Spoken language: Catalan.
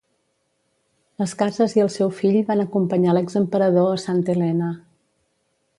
Las Cases i el seu fill van acompanyar l"ex-emperador a Saint Helena.